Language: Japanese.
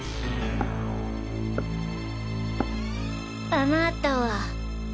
・あなたは。